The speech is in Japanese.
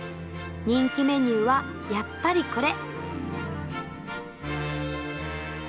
人気メニューは、やっぱりこれ。